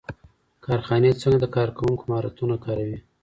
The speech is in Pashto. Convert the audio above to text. کارخانې څنګه د کارکوونکو مهارتونه کاروي؟